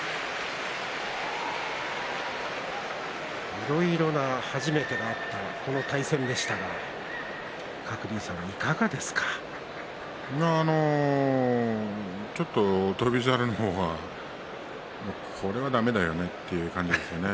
いろいろな初めてがあったこの対戦でしたがちょっと翔猿の方はこれは、だめだよねっていう感じですね。